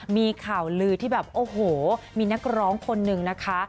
มีข่าวลือที่แบบโอ้โหมีนักร้องคนนึงนะคะ